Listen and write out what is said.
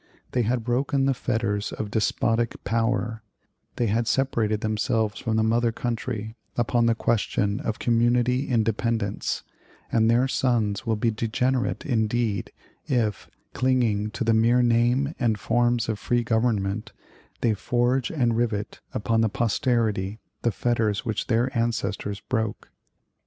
They had broken the fetters of despotic power; they had separated themselves from the mother country upon the question of community independence; and their sons will be degenerate indeed if, clinging to the mere name and forms of free government, they forge and rivet upon their posterity the fetters which their ancestors broke....